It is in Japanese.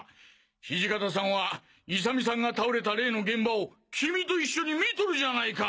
土方さんは勇美さんが倒れた例の現場を君と一緒に見とるじゃないか！